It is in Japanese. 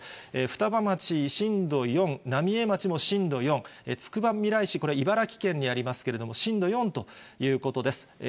双葉町、震度４、浪江町も震度４、つくばみらい市、これは茨城県にありますけれども、震度４ということです。